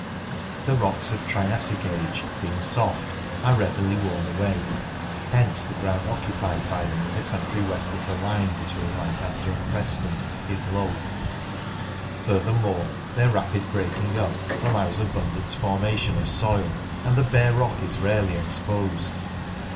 The rocks of Triassic age, being soft, arc readily worn away, hence the ground occupied by them in the country west of the line between Lancaster and Preston is low. Furthermore, their rapid breaking up allows abundant formation of soil, and the bare rock is rarely exposed.